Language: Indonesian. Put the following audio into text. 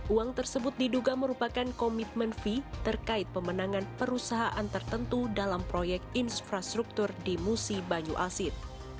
uang tersebut diduga merupakan komitmen fee terkait pemenangan perusahaan tertentu dalam proyek infrastruktur di musi banyu asin